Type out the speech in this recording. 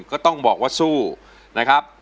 ก็ต้องบอกว่าสู้นะครับ